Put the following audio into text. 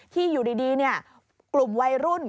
ที่อยู่ดีกลุ่มวัยรุ่น